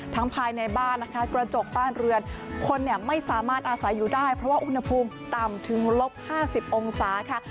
ภายในบ้านนะคะกระจกบ้านเรือนคนเนี่ยไม่สามารถอาศัยอยู่ได้เพราะว่าอุณหภูมิต่ำถึงลบ๕๐องศาค่ะ